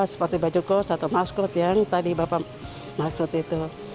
seperti baju kos atau maskot yang tadi bapak maksud itu